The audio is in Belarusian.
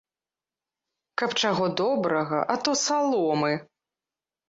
Каб чаго добрага, а то саломы!